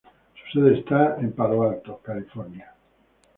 Su sede está en Palo Alto, California.